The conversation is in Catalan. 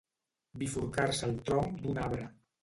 Bifurcar-se el tronc d'un arbre.